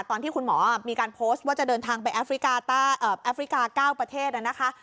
ตอนที่คุณหมอมีการโพสต์ว่าจะเดินทางไปแอฟริกาแอฟริกา๙ประเทศนะคะ